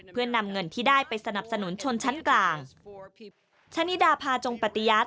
เพื่อนำเงินที่ได้ไปสนับสนุนชนชั้นกลาง